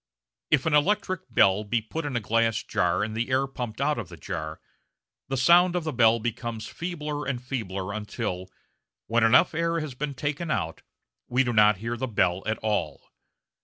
If an electric bell be put in a glass jar and the air be pumped out of the jar, the sound of the bell becomes feebler and feebler until, when enough air has been taken out, we do not hear the bell at all.